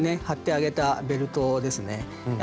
貼ってあげたベルトですね。